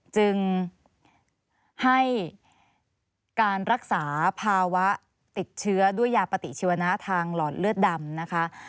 จึงให้การรักษาภาวะติดเชื้อด้วยยาปฏิชีวนะทางหลอดเลือดดำนะคะ